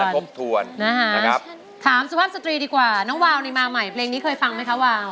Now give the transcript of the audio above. ทบทวนนะฮะถามสุภาพสตรีดีกว่าน้องวาวนี่มาใหม่เพลงนี้เคยฟังไหมคะวาว